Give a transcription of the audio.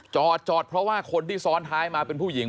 จอดจอดเพราะว่าคนที่ซ้อนท้ายมาเป็นผู้หญิง